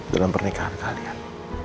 dalam pernikahan kalian